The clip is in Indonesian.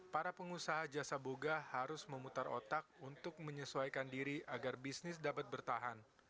para pengusaha jasa boga harus memutar otak untuk menyesuaikan diri agar bisnis dapat bertahan